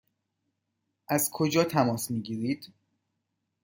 از کجا تماس می گیرید؟